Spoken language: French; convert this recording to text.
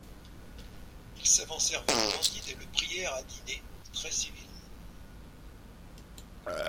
Ils s’avancèrent vers Candide et le prièrent à dîner très civilement.